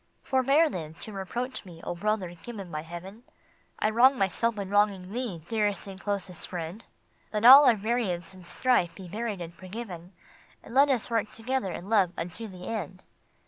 " Forbear, then, to reproach me, O brother given by Heaven ! I wrong myself in wronging thee, dearest and closest friend ! Let all our variance and strife be buried and forgiven, And let us work together in love unto the end."